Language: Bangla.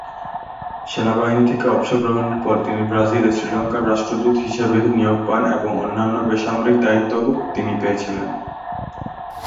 সেনাবাহিনী থেকে অবসর গ্রহণের পর তিনি ব্রাজিলে শ্রীলঙ্কার রাষ্ট্রদূত হিসেবে নিয়োগ পান এবং অন্যান্য বেসামরিক দায়িত্বও তিনি পেয়েছিলেন।